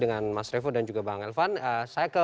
dengan mas revo dan juga bang elvan saya ke